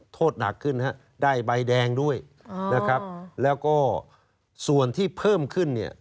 โทษหนักขึ้นฮะได้ใบแดงด้วยนะครับแล้วก็ส่วนที่เพิ่มขึ้นเนี่ย